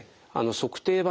足底板？